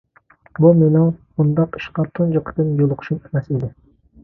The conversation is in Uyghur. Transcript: بۇ مېنىڭ بۇنداق ئىشقا تۇنجى قېتىم يولۇقۇشۇم ئەمەس ئىدى.